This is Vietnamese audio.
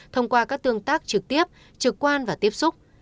thông qua các tương tác trực tiếp trực quan và tiếp xúc